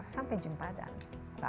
sampai jumpa dan bye bye